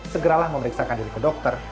segeralah memeriksakan diri ke dokter